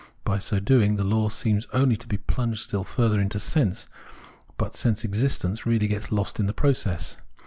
By so doing, the law seems only to be plunged still further into sense ; but sense existence really gets lost in the process.